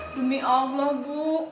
demi allah bu